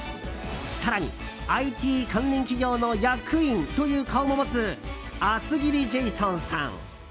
更に、ＩＴ関連企業の役員という顔も持つ厚切りジェイソンさん。